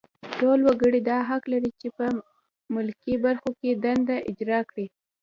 ټول وګړي دا حق لري چې په ملکي برخو کې دنده اجرا کړي.